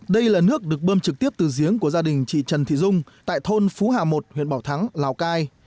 đây là nước được bơm trực tiếp từ giếng của gia đình chị trần thị dung tại thôn phú hà một huyện bảo thắng lào cai